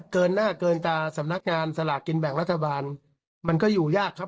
เกินหน้าเกินตาสำนักงานสลากกินแบ่งรัฐบาลมันก็อยู่ยากครับ